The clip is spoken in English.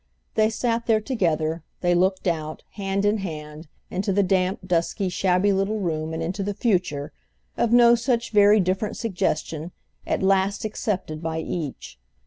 They sat there together; they looked out, hand in hand, into the damp dusky shabby little room and into the future, of no such very different suggestion, at last accepted by each.